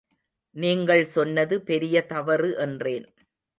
நீங்கள் சொன்னது பெரிய தவறு என்றேன்.